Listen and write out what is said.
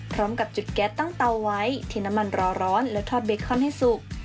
พร้อมกับจุดแก๊สตั้งเตาไว้ที่น้ำมันรอร้อนและทอดเบคอนให้สุก